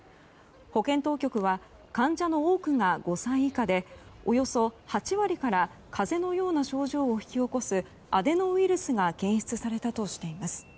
保健当局は患者の多くが５歳以下でおよそ８割から風邪のような症状を引き起こすアデノウイルスが検出されたとしています。